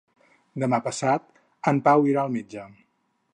Demà passat en Pau irà al metge.